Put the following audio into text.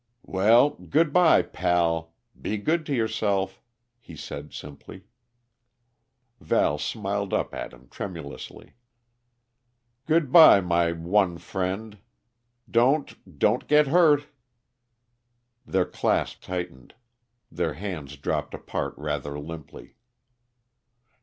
"Well good by, pal. Be good to yourself," he said simply. Val smiled up at him tremulously. "Good by, my one friend. Don't don't get hurt!" Their clasp tightened, their hands dropped apart rather limply.